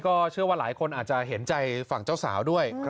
เชื่อว่าหลายคนอาจจะเห็นใจฝั่งเจ้าสาวด้วย